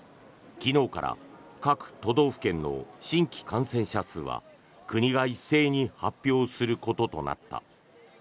昨日から各都道府県の新規感染者数は国が一斉に発表することとなった。